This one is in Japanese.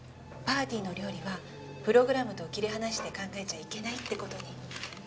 パーティーの料理はプログラムと切り離して考えちゃいけないって事に。